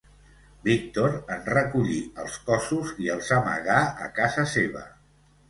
Víctor en recollí els cossos i els amagà a casa seva.